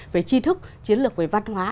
về chi thức chiến lược về văn hóa